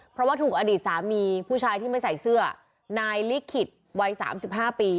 เพราะว่าถูกอดีตสามีผู้ชายที่ไม่ใส่เสื้อนายลิขิตวัย๓๕ปี